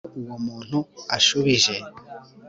iyo uwo muntu ashubije